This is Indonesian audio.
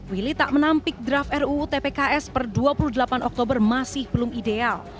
willy tak menampik draft ruu tpks per dua puluh delapan oktober masih belum ideal